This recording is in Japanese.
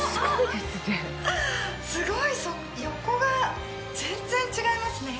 ハハハッすごい横が全然違いますね